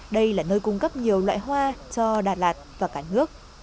đây là nơi cung cấp nhiều loại hoa cho đà lạt và cả nước